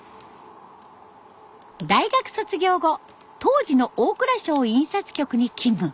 大学卒業後当時の大蔵省印刷局に勤務。